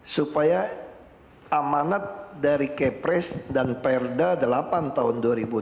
supaya amanat dari kepres dan perda delapan tahun dua ribu tujuh belas